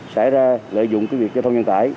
sẽ ra lợi dụng cái việc cơ thông nhân tải